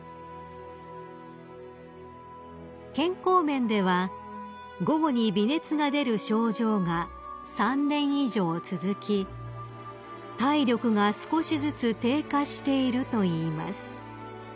［健康面では午後に微熱が出る症状が３年以上続き体力が少しずつ低下しているといいます］